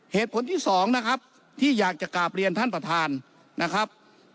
เหตุผลที่สองนะครับที่อยากจะกราบเรียนท่านประธานนะครับ